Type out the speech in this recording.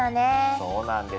そうなんです。